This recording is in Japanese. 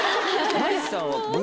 マリさんは。